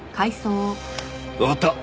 わかった。